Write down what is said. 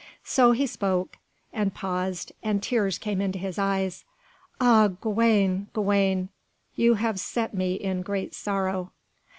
So he spoke, and paused, and tears came into his eyes. "Ah, Gawaine, Gawaine! you have set me in great sorrow."